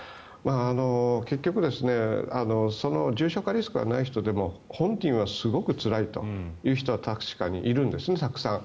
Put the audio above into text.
結局重症化リスクがない人でも本人はすごくつらいという人は確かにいるんです、たくさん。